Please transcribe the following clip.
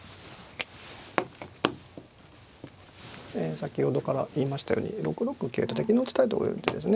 先ほどから言いましたように６六桂と敵の打ちたいところに打ってですね